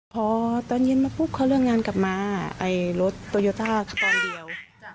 พอตอนเย็นมาปุ๊บเขาเลิกงานกลับมารถโตโยต้าตอนเดียว